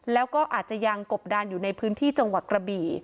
แล้วก็อาจจะยังกบดานอยู่ในพื้นที่จังหวัดกระบี่